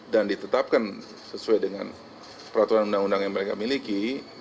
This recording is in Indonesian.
dan ditetapkan sesuai dengan peraturan undang undang yang mereka miliki